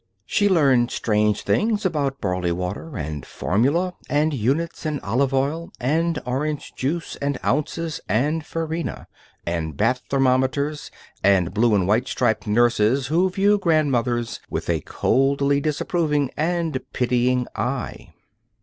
She learned strange things about barley water and formulae and units and olive oil, and orange juice and ounces and farina, and bath thermometers and blue and white striped nurses who view grandmothers with a coldly disapproving and pitying eye.